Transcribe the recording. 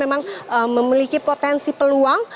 memang memiliki potensi peluang